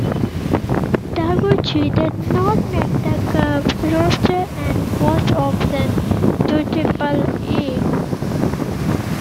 Taguchi did not make the Cubs roster and was optioned to Triple-A.